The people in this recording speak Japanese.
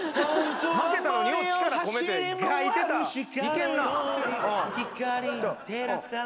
負けたのによう力込めてがーいけんな。